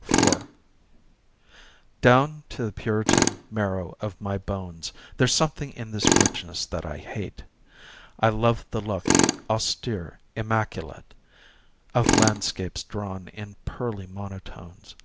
4 Down to the Puritan marrow of my bones There's something in this richness that I hate. I love the look, austere, immaculate, Of landscapes drawn in pearly monotones.